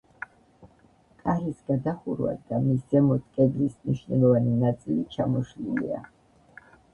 კარის გადახურვა და მის ზემოთ კედლის მნიშვნელოვანი ნაწილი ჩამოშლილია.